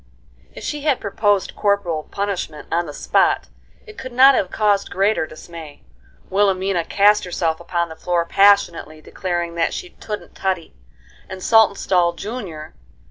If she had proposed corporal punishment on the spot it could not have caused greater dismay. Wilhelmina cast herself upon the floor passionately, declaring that she "touldn't tuddy," and Saltonstall, Jr.